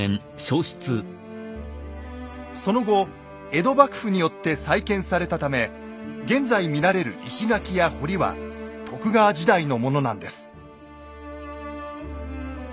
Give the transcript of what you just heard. その後江戸幕府によって再建されたため現在見られる石垣や堀は徳川時代のものなんです。